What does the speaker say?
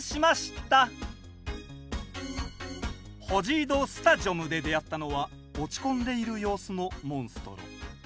ホジード・スタジョムで出会ったのは落ち込んでいる様子のモンストロ。